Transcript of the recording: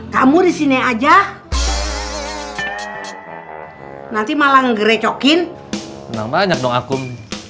kamu disini aja nanti malah ngerecokin tenang banyak dong akum